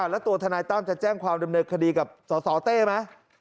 แล้วตัวทนายตั้มจะแจ้งความดำเนินคดีกับสสเต้ไหม